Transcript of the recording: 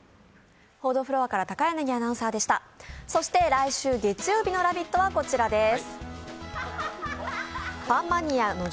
来週月曜日の「ラヴィット！」はこちらです。